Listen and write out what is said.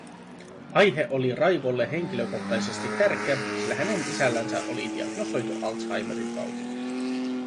Aihe oli Raivolle henkilökohtaisesti tärkeä, sillä hänen isällänsä oli diagnosoitu Alzheimerin tauti.